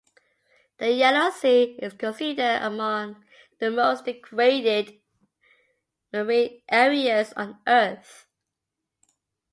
The Yellow Sea is considered among the most degraded marine areas on earth.